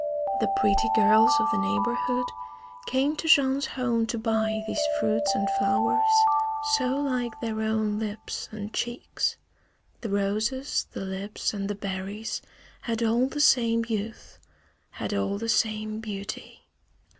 The pretty girls of the neighborhood came to Jean's home to buy these fruits and flowers, so like their own lips and cheeks. The roses, the lips, and the berries had all the same youth, had all the same beauty.